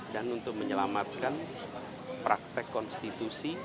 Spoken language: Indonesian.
dan untuk menyelamatkan praktek konstitusi